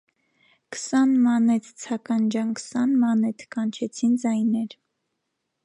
- Քսան մանեթ, Ցական ջան, քսան մանեթ, - կանչեցին ձայներ: